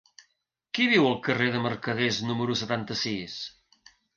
Qui viu al carrer de Mercaders número setanta-sis?